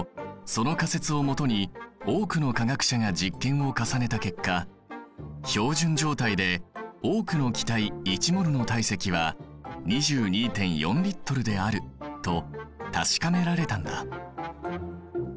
その仮説を基に多くの科学者が実験を重ねた結果標準状態で多くの気体１ｍｏｌの体積は２２．４Ｌであると確かめられたんだ。